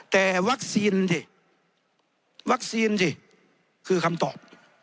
แต่วัคซีนสิวัคซีนสิคือคำตอบ